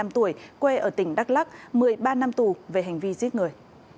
một mươi năm tuổi quê ở tỉnh đắk lắc một mươi ba năm tù về hành vi giết người